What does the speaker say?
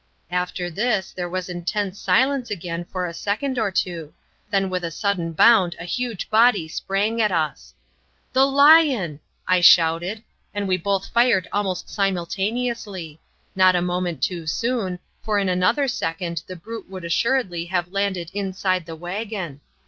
After this there was intense silence again for a second or two, then with a sudden bound a huge body sprang at us. "The lion!" I shouted, and we both fired almost simultaneously not a moment too soon, for in another second the brute would assuredly have landed inside the wagon.